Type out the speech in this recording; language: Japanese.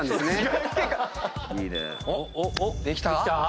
できた？